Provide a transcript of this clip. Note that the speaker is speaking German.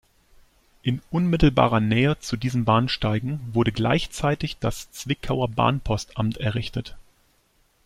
In unmittelbarer Nähe zu diesen Bahnsteigen wurde gleichzeitig das Zwickauer Bahnpostamt errichtet.